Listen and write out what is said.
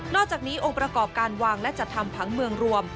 อกจากนี้องค์ประกอบการวางและจัดทำผังเมืองรวม